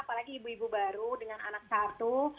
apalagi ibu ibu baru dengan anak satu